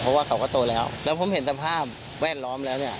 เพราะว่าเขาก็โตแล้วแล้วผมเห็นสภาพแวดล้อมแล้วเนี่ย